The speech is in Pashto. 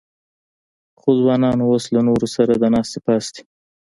خو ځوانان اوس له نورو سره د ناستې پاستې